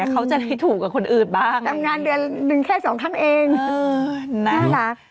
แต่เขาจะได้ถูกกับคนอื่นบ้างทำงานเดือนละ๑แค่๒ครั้งเองน่ารัก